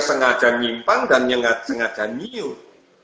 sengaja nyimpang dan sengaja nyiur